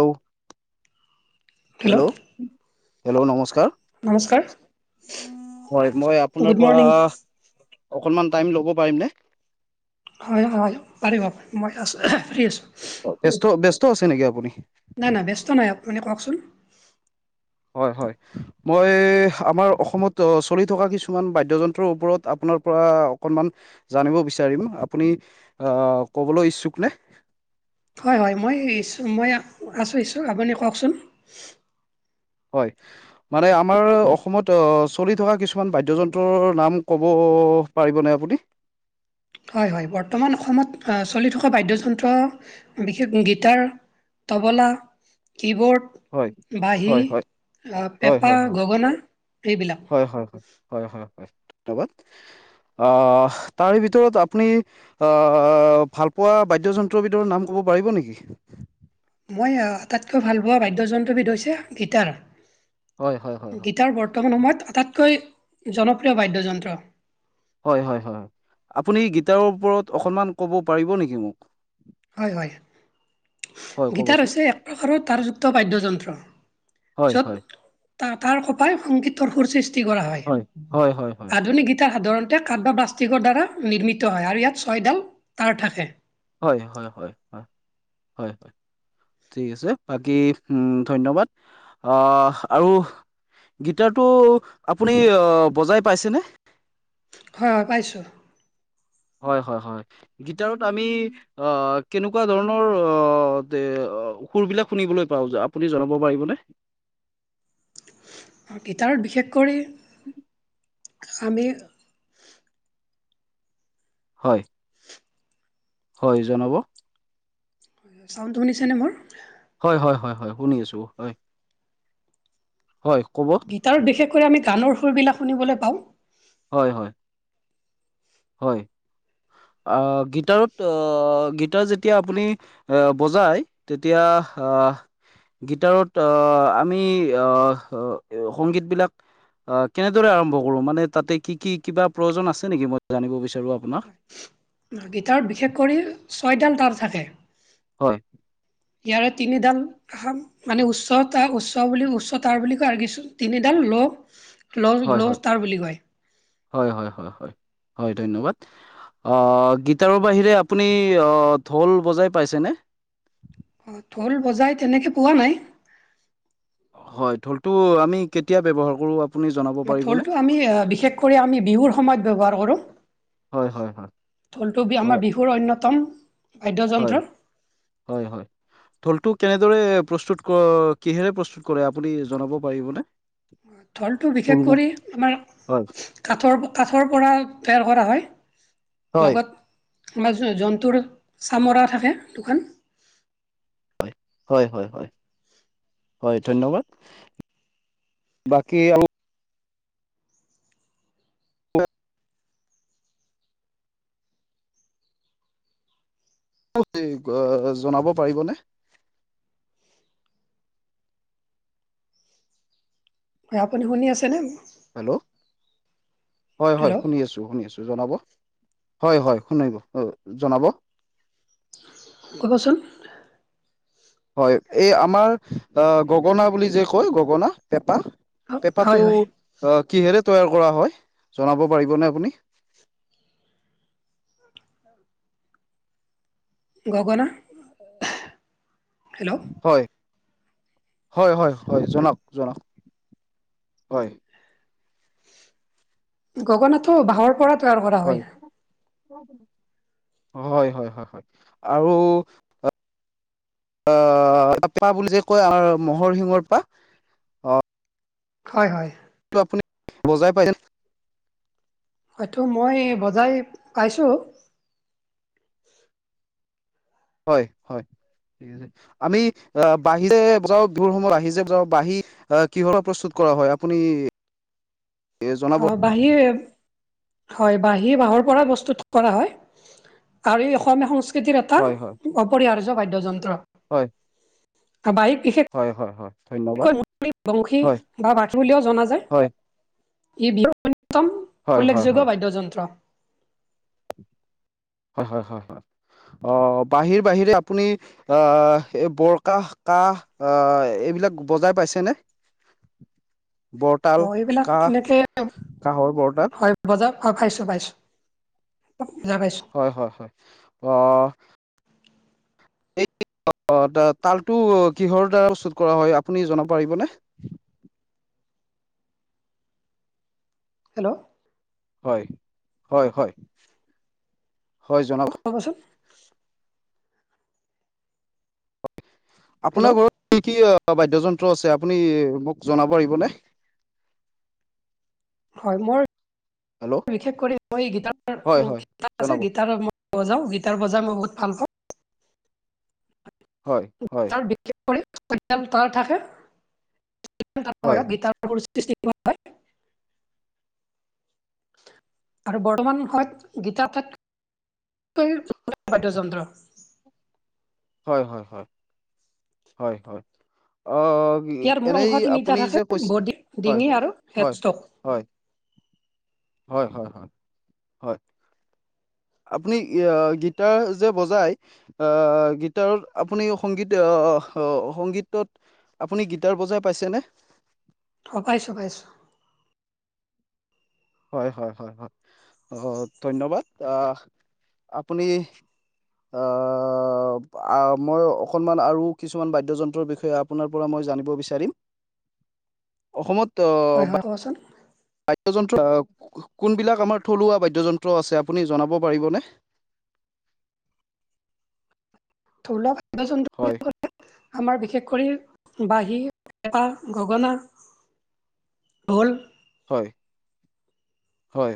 Hello? Hello hello নমস্কাৰ। নমস্কাৰ হয়, মই গুড আপোনাৰ পৰা মৰ্ণিং অকণমান টাইম লব পাৰিম নে? হয় হয় পাৰিব, মই আছ আহাঁ ফ্ৰী আছোঁ। অ ব্যস্ত - ব্যস্ত আছে নেকি আপুনি? নাই নাই ব্যস্ত নাই, আপুনি কওকচোন? হয় হয়। মই আমাৰ অসমত চলি থকা কিছুমান বাদ্যযন্ত্ৰৰ ওপৰত আপোনাৰ পৰা অকনমান জানিব বিচাৰিম? আপুনি আহ ক'বলৈ ইচ্ছুক নে? হয় হয়, মই ইচ্ছু মই আ আছোঁ ইচ্ছু, আপুনি কওকচোন? হয়। মানে আমাৰ অসমত চলি থকা কিছুমান বাদ্যযন্ত্ৰৰ নাম ক'ব পাৰিবনে আপুনি? হয় হয়, বৰ্তমান অসমত আ চলি থকা বাদ্যযন্ত্ৰ বিশেষ গীটাৰ তবলা, কি হয় বৰ্ড বাঁহী, হয় হয় আ হয় পেঁপা, হয় হয় গগনা এইবিলাক। হয় হয়। হয় হয় ধন্যবাদ, আহ তাৰ ভিতৰত আপুনি আহ ভালপোৱা বাদ্যযন্ত্ৰৰ ভিতৰত নাম কব পাৰিব নেকি? মই আটাইতকৈ ভাল পোৱা বাদ্যযন্ত্ৰবিধ হৈছে গীটাৰ, হয় হয় হয় হয় গীটাৰ বৰ তমান সময়ত আটাইতকৈ জনপ্ৰিয় বাদ্যযন্ত্ৰ। হয় হয় হয়, আপুনি গীটাৰৰ ওপৰত অকনমান ক'ব পাৰিব নেকি মোক? হয় হয়। হয় গীটাৰ ক'বচোন হৈছে এক প্ৰকাৰৰ তাৰযুক্ত বাদ্যযন্ত্ৰ হয় হয় য'ত তা তাৰ কপাই সংগীতৰ সুৰ সৃষ্টি কৰা হয়, হয় হয় হয় আধুনিক গীতাৰ সাধাৰণ এতে কাঠ বা প্লাষ্টিকৰ দ্বাৰা নিৰ্মিত হয় আৰু ইয়াত ছয়ডাল তাঁৰ থাকে। হয় হয় হয় হয় হয়। ঠিক আছে, বাকী উম ধন্যবাদ আহ আৰু গীটাৰটো আপুনি অ বজাই পাইছেনে? ধৰা পাইছোঁ। হয় হয় হয়, গিটাৰত আমি অ কেনেকুৱা ধৰণৰ অ তে অ সুৰবিলাক শুনিবলৈ পাও যে আপুনি জনাব পাৰিবনে? গীটাৰ বিশেষ কৰি খামি হয়ঁ! হয়ঁ জনাব। ছাউণ্ডটো শুনিছেনে মোৰ? হয়ঁ হয়ঁ হয়ঁ হয়ঁ শুনি আছো হয়ঁ হয়ঁ ক'ব। তাৰ বিশেষকৈ আমি গানৰ সুৰবিলাক শুনিবলৈ পাওঁ। হয়ঁ হয়ঁ। হয়ঁ আহ গিটাৰত গিটাৰ যেতিয়া আপুনি এ বজাই তেতিয়া আহ হা গীটাৰত আহ আমি আহ সংগীত বিলাক অঁ কেনেদৰে আৰম্ভ কৰো মানে তাতে কি কি কিবা প্ৰয়োজন আছে নেকি মই জানিব বিচাৰো আপোনাক। গীটাৰত বিশেষ কৰি ছয়ডাল তাৰ থাকে। হয়ঁ! ইয়াৰে তিনিডাল- সান উচ্চতা উচ্চ বুলি উচ্চতাৰ বুলি কয় আৰু কিছু তিনিডাল ল' লজ্ লজতাৰ বুলি কয়। হয়ঁ হয়ঁ হয়ঁ হয়ঁ হয়ঁ ধন্যবাদ। অঁ গীটাৰৰ বাহিৰে আপুনি ঢোল বজাই পাইছেনে? অঁ ঢোল বজাই তেনেকৈ পোৱা নাই। হয়ঁ ঢোলটো আমি কেতিয়া ব্যৱহাৰ কৰোঁ। আপুনি জনাব পাৰিবনে ঢোলটো আমি বিশেষকৈ আমি বিহুৰ সময়ত ব্যৱহাৰ কৰো। হয়, হয়, হয়, ঢোলটো বি আমাৰ হয়, বিহুৰ অন্যতম বাদ্যযন্ত্ৰ। হয়ঁ হয়ঁ। ঢোলটো কেনেদৰে প্ৰস্তুত ক কিহেৰে প্ৰস্তুত কৰে আপুনি জনাব পাৰিবনে? ঢোলটো বিশেষ ঢোলমু কৰি আমাৰ হয়, কাঠৰ কাঠৰ পৰা তৈয়াৰ কৰা হয় হয়, লগত আমাৰ জন্তুৰ চামৰা থাকে দোখান হয়ঁ হয়ঁ হয়ঁ হয়ঁ হয়ঁ ধন্যবাদ। বাকী আমি যলদি জনাব পাৰিবনে হয়ঁ আপুনি শুনি আছেনে? হেল্লৌ' হয়ঁ হয়ঁ হেল্ল' শুনি আছোঁ! শুনি আছো জনাব হয়ঁ হয়ঁ শুনিলো অঁ জনাব। ক'বচোন হয়ঁ এই আমাৰ আ গগনা বুলি যে কয় গগনা পেঁপা অ, হয় পেপাটো হয় অঁ কিহেৰে তৈয়াৰ কৰা হয় জনাব পাৰিবনে আপুনি? গগনা হেল্লৌ! হয়ঁ হয়ঁ হয়ঁ হয়ঁ জনাওক জনাওক হয়ঁ। গগনাটো বাঁহৰ পৰত হয়ঁ হয়ঁ হয়ঁ হয়ঁ হয়ঁ আৰু- আহ পেঁপা বুলি যে কয় মহ'ৰ শিঙৰ পেঁপা হয়ঁ হয়ঁ! এইটো আপুনি বজাই পাইছে নে? হয়টো মই বজাই পাইছোঁ। হয়ঁ হয়ঁ ঠিক আছে আমি আহ বাহিৰে যাওঁ বিহুৰ সময়ত বাহি যে যাওঁ বাঁহি। আহ কিহৰে প্ৰস্তুত কৰা হয় আপুনি এ জনাব অ বাহেৰে হয় বাঁহী বাঁহৰ পৰা বস্তুত কৰা হয়। আৰু এই অসমীয়া সং সংস্কৃতিৰ এটা হয় হয় অপৰিহাৰ্য বাদ্যযন্ত্ৰ। হয় ত বাহী বিষেশ হয় হয় হয় ধন্যবাদ কৈ বংশী হয় বা বাথলি বুলিও জনা যায় হয় ই বিহুৰ অন্যতম হয় হয় উল্লেখযোগ্য হয় বাদ্যযন্ত্ৰ হয় হয় হয় হয় অ বাহিৰ বাহিৰে আপুনি আহ এই বৰ কাহ কাহ আহ এইবিলাক বজাই পাইছেনে অ বৰতাল এইবিলাক কাহ কাহৰ বৰতাল বজাৰ অ পাইছো পাইছো বজাৰ পাইছো হয় হয় হয় অ এই তালটো কিহৰ দ্বাৰা প্ৰস্তুত কৰা হয় আপুনি জনাব পাৰিবনে হেল্ল' হয় হয় হয় হয় জনাব ক'ব'চোন আপোনাৰ হেল্ল' ঘৰত কি কি বাদ্যযন্ত্ৰ আছে আপুনি মোক জনাব পাৰিবনে হয় মোৰ হেল্ল' বিশষ কৰি মই হয়, হয় জনাব। গিটাৰত বজাওঁ গীটাৰ বজাই মই বহুত ভাল পাওঁ হয় হয় হয়, হয়, [unintelligible] সৃষ্টি হয় আৰু বৰ্তমান সময়ত গীতাৰ ঠাইত [unintelligible] হয় হয় হয় হয় হয় অ ইয়াৰ মূল অংশ এনেই তিনিটা আপুনি থাকে যে কৈছে বডি হয় ডিঙি আৰু হয় হেডষ্টক হয় হয় হয় হয় হয় আপুনি গীটাৰ যে বজাই আহ গীটাৰত আপুনি সংগীত আহ সংগীতত আপুনি গীটাৰ বজাই পাইছেনে অঁ পাইছোঁ পাইছোঁ হয় হয় হয় হয় অ ধন্যবাদ আপুনি আ মই অকণমান আৰু কিছুমান বাদ্য যন্ত্ৰৰ বিষয়ে এই আপোনাৰ পৰা মই জানিব বিচাৰিম অসমত অ বা ক'বচোন বাদ্যযন্ত্ৰ কোনবিলাক আমাৰ থলুৱা বাদ্যযন্ত্ৰ আছে আপুনি জনাব পাৰিবনে? থলোৱা বাদ্য যন্ত্ৰ বুলি হয়, ক'লে আমাৰ বিশেষ কৰি বাঁহী বা গগনা ভ'ল হয় হয়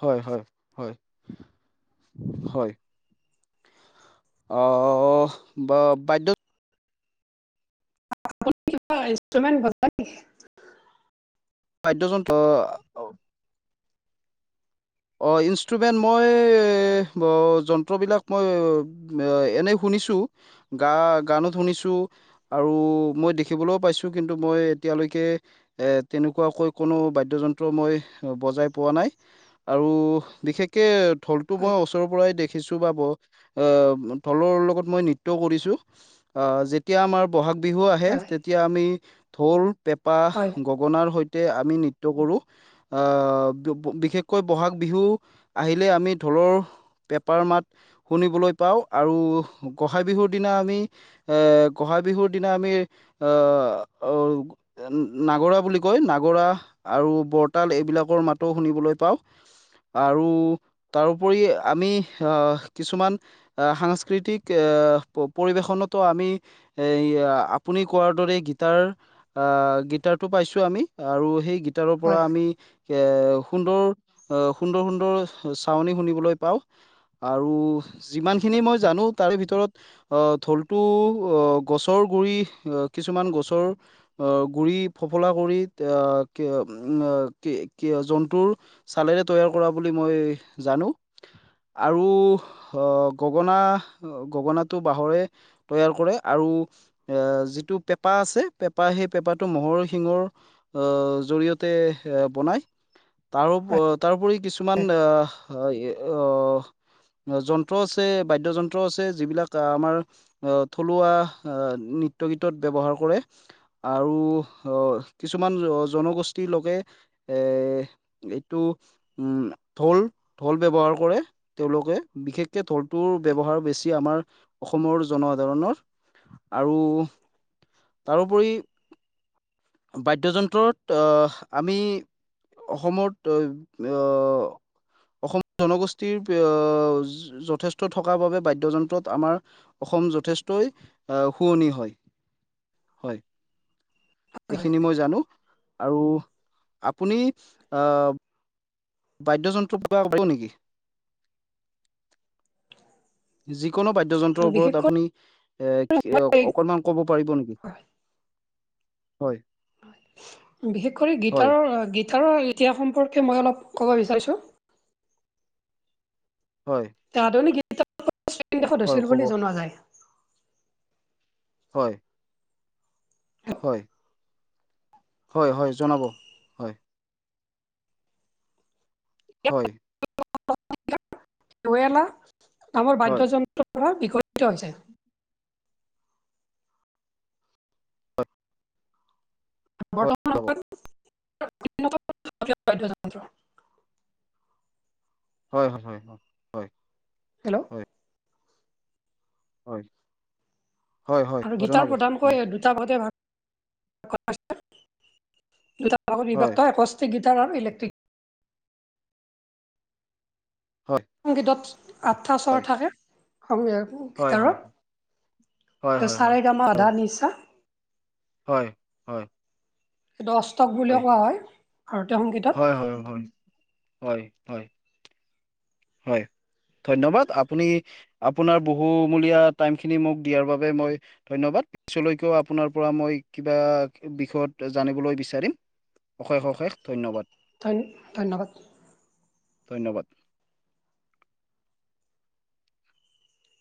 হয় হয় হয় হয় অ ব বাধ্য আপুনি কিবা ইনষ্ট্ৰুমেণ্ট বজাই নেকি বাদ্যযন্ত্ৰ অঁ ইনষ্ট্ৰুমেণ্ট মই ব যন্ত্ৰবিলাক মই এ এনেই শুনিছো গা গান শুনিছো। আৰু মই দেখিবলৈও পাইছোঁ কিন্তু মই এতিয়ালৈকে - এ তেনেকুৱাকৈ কোনো বাদ্যযন্ত্ৰ মই বজাই পোৱা নাই। আৰু বিশেষকে ঢোলটো হয় মই ওচৰৰ পৰাই দেখিছো বা ব- অ, ঢোলৰ লগত মই নৃত্যও কৰিছোঁ, আ যে তিয়া আমাৰ বহাগ বিহু আহে হয় তেতিয়া আমি ঢোল পেঁপা হয় গ- গণাৰ সৈতে আমি নৃত্য কৰোঁ। অ বিশেষ - কৈ বহাগ বিহু আহিলে আমি ঢোলৰ, পেপাৰ মাত- শুনিবলৈ পাওঁ আৰু গোঁসাঁই বিহুৰ দিনা আমি - এ গোঁসাই বিহুৰ দিনা আমি আহ আহ নাগৰা বুলি কয় নাগৰা আৰু বৰতাল এইবিলাকৰ মাতো শুনিবলৈ পাওঁ। আৰু তাৰো ওপৰি আমি আ কিছুমান - আ সাংস্কৃতিক আ পৰিৱেশনতো আমি- এইয়া আপুনি কোৱাৰ দৰে গীটাৰ- আহ গীটাৰটো পাইছো আমি আৰু সেই গীটাৰৰ পৰা হয় আমি এ সুন্দৰ- আ সুন্দৰ সুন্দৰ চাউনি শুনিবলৈ পাওঁ। আৰু যিমানখিনি মই জানো তাৰে ভিতৰত - অ ঢোলটো অ গছৰ গুৰি আ কিছুমান গছৰ- আ গুৰি ফফলা কৰি এয়া কীয়া ওৱা তিয়া জন্তুৰ- চালেৰে তৈয়াৰ কৰা বুলি মই জানো। আৰু - আ গগনা গগনাটো বাঁহৰে তৈয়াৰ কৰে, আৰু - এ যিটো পেঁপা আছে পেঁপা সেই পেঁপাটো ম'হৰ শিঙৰ- আ জৰিয়তে এ বনায়, তাৰো- অ হয় তাৰো ওপৰি কিছুমান আহ আহ যন্ত্ৰ আছে বাদ্যযন্ত্ৰ আছে যিবিলাক আমাৰ- অঁ থলুৱা আহ নৃত্য গীতত ব্যৱহাৰ কৰে। আৰু কিছুমান জনগোষ্ঠীৰ লোকে এ টো উম ঢোল ঢোল ব্যৱহাৰ কৰে। তেওঁলোকে বিশেষকে ঢোলটোৰ ব্যৱহাৰ বেছি আমাৰ অসমৰ জনসাধাৰণৰ। আৰু তাৰো ওপৰি - বাদ্যযন্ত্ৰত আমি অসমত- তইব এ অ অসমৰ জনগোষ্ঠীৰ এয় যথেষ্ট থকাৰ বাবে বাদ্যযন্ত্ৰত আমাৰ- অসম যথেষ্টই অ শুৱনি হয়, হয়। হয় এইখিনি মই জানো, আৰু আপুনি আ- বাদ্যযন্ত্ৰৰ ওপৰত কিবা ক'ব নেকি? যিকোনো বাদ্যযন্ত্ৰৰ বিশেষ ওপৰত আপুনি এ কিয় কৰি - অকনমান কব পাৰিব নেকি? হয়। বিশেষ কৰি হয় গীটাৰৰ গীটাৰৰ ইতিহাস সম্পৰ্কে মই অলপ ক'ব বিচাৰিছোঁ। হয়। আধুনিক গীটাৰ খন চীন দেশত হয় হৈছিল ক'ব বুলি জনোৱা যায়। হয়। হয়। হয়, হয়, জনাব হয়। ইয়াত হয়। [unintelligible] কামৰ হয় বাদ্যযন্ত্ৰৰ পৰা বিকসিত হৈছে। হয় বৰ্তমান, [unintelligible] বাদ্য যন্ত্ৰ। হয়, হয়, হয়। হেল্ল'। হয় হয়। হয় হয় হয় আৰু গীটাৰ জনাব হয় প্ৰধানকৈ দু দুটা ভাগতে ভাগ কৰা হৈছে, দুটা ভাগত হয় বিভক্ত গীতাৰৰ, ইলেকট্ৰিক হয় সংগীতত, আঠটা স্বৰ হয় থাকে হয় গীটাৰৰ। হয় হয় হয় হয় সা হয় ৰে গা মা পা ধা নি সা। হয়, হয়। দষ্টক বুলি কোৱা হয়, ভাৰতীয় সংগীতত। হয়, হয়। হয়, হয়। হয়, ধন্যবাদ, আপুনি আপোনাৰ বহুমূলীয়া টাইম খিনি মোক দিয়াৰ বাবে মই ধন্যবাদ, পিছলৈকে আপোনাৰ পৰা মই কিবা বিষয়ত জানিবলৈ বিচাৰিম। অশেষ, অশেষ ধন্যবাদ। ধন্য, ধন্যবাদ। ধন্যবাদ।